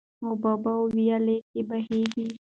اوبه په ویاله کې بهیږي.